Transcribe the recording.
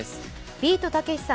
ビートたけしさん